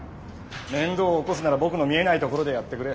面倒を起こすなら僕の見えないところでやってくれ。